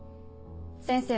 先生